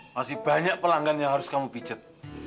masih banyak pelanggan yang harus kamu pijat